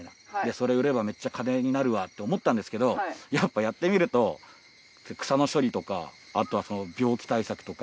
それ売ればめっちゃ金になるわって思ったんですけどやっぱやってみると草の処理とかあとは病気対策とか。